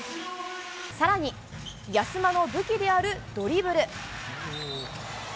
さらに、安間の武器であるドリブル。